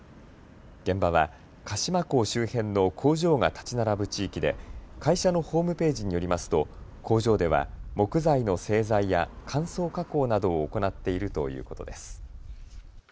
現場は鹿島港周辺の工場が建ち並ぶ地域で会社のホームページによりますと工場では木材の製材や乾燥加工などを行っているということです。